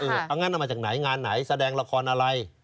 เอางั้นเอามาจากไหนงานไหนแสดงละครอะไร